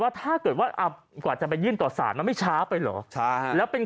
ถ้าเกิดว่ากว่าจะไปยื่นต่อสารมันไม่ช้าไปเหรอแล้วเป็น